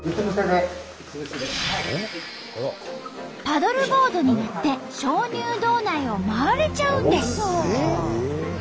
パドルボードに乗って鍾乳洞内を回れちゃうんです。